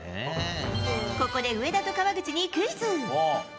ここで上田と川口にクイズ。